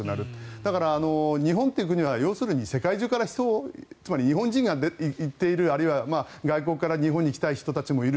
だから、日本という国は要するに世界中から人を日本から行っているあるいは外国から日本に来た人たちもいる。